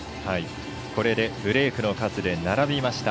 これでブレークの数で並びました。